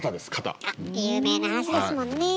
有名な話ですもんね。